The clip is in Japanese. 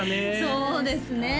そうですね